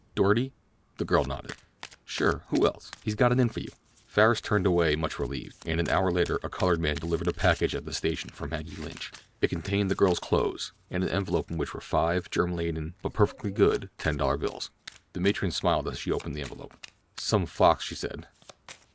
Doarty?" The girl nodded. "Sure—who else? He's got it in for you." Farris turned away much relieved, and an hour later a colored man delivered a package at the station for Maggie Lynch. It contained the girl's clothes, and an envelope in which were five germ laden but perfectly good, ten dollar bills. The matron smiled as she opened the envelope. "Some fox," she said.